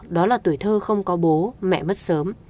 đó là tuổi thơ không có bố mẹ mất sớm